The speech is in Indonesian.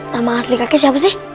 nama asli kakek siapa sih